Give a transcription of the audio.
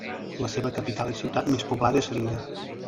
La seva capital i ciutat més poblada és Lilla.